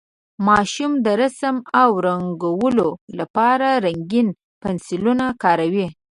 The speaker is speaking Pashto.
ماشومان د رسم او رنګولو لپاره رنګین پنسلونه کاروي.